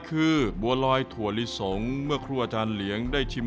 คุณทั้งของกำลังให้การไปบัวลอยอีก